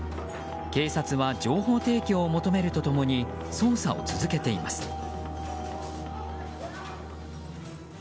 警察は情報提供を求めるとともに捜査を続けています。